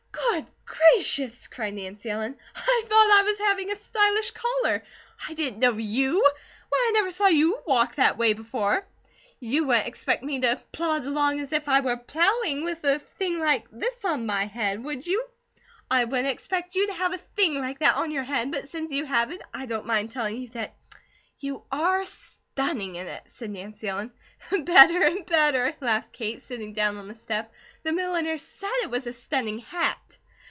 "Good gracious!" cried Nancy Ellen. "I thought I was having a stylish caller. I didn't know you! Why, I never saw YOU walk that way before." "You wouldn't expect me to plod along as if I were plowing, with a thing like this on my head, would you?" "I wouldn't expect you to have a thing like that on your head; but since you have, I don't mind telling you that you are stunning in it," said Nancy Ellen. "Better and better!" laughed Kate, sitting down on the step. "The milliner said it was a stunning HAT."